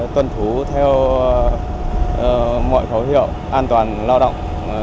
tuân thủ theo mọi khẩu hiệu an toàn lao động